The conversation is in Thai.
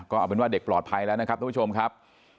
ก็เอาเป็นว่าเด็กปลอดภัยแล้วนะครับทุกผู้ชมครับ